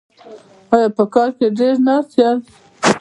ایا په کار کې ډیر ناست یاست؟